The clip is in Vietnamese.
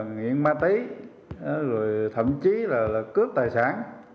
nguyện ma tí thậm chí là cướp tài sản